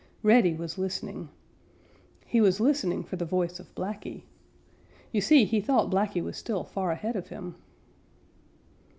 Reddy was listening. He was listening for the voice of Blacky. You see, he thought Blacky was still far ahead of him.